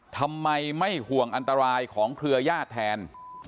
ทำไมไม่ห่วงอันตรายของเครือญาติแทน